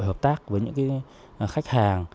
hợp tác với những khách hàng